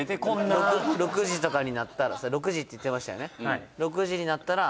６時とかになったらさ６時って言ってましたよね？